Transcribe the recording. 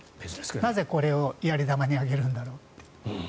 なぜ、これをやり玉に挙げるんだろうと。